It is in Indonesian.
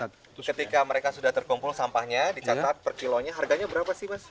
ketika mereka sudah terkumpul sampahnya dicatat per kilonya harganya berapa sih mas